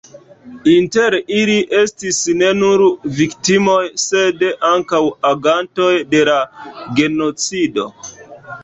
Inter ili estis ne nur viktimoj, sed ankaŭ agantoj de la genocido.